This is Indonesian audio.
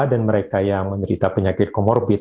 dan mereka yang menerita penyakit comorbid